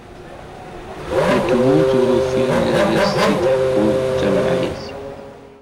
N tmurt, ur ufin ad as-tt-id-ḥkun d tamɛayt.